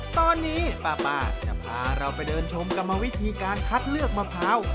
ตอนนี้ป้าจะพาเราไปเดินชมกรรมวิธีการคัดเลือกมะพร้าว